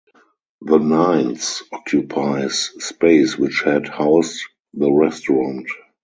The Nines occupies space which had housed the restaurant.